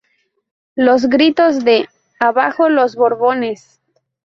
Los gritos de ""¡Abajo los Borbones!